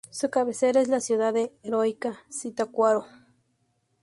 Su cabecera es la ciudad de Heroica Zitácuaro.